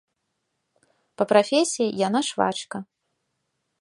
Па прафесіі яна швачка.